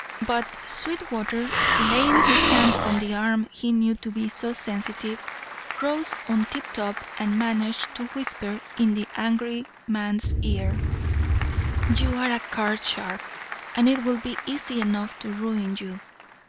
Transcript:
But Sweetwater, laying his hand on the arm he knew to be so sensitive, rose on tiptoe and managed to whisper in the angry man's ear: "You are a card sharp, and it will be easy enough to ruin you.